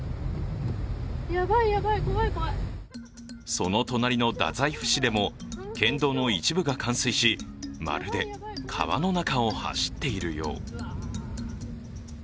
その隣の太宰府市でも、県道の一部が冠水し、まるで川の中を走っているよう。